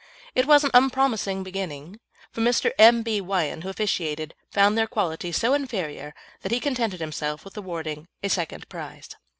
It was an unpromising beginning, for Mr. M. B. Wynn, who officiated found their quality so inferior that he contented himself with awarding a second prize.